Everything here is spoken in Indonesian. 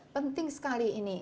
penting sekali ini